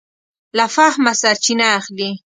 له فهمه سرچینه اخلي.